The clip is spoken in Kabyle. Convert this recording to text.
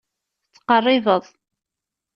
Tettqerribeḍ.